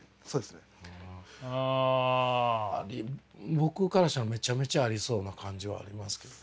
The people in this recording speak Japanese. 僕からしたらめちゃめちゃありそうな感じはありますけどね。